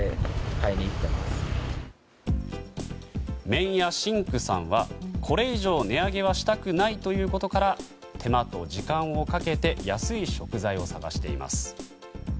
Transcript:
麺屋神工さんはこれ以上、値上げはしたくないということから手間と時間をかけて安い食材を探しています。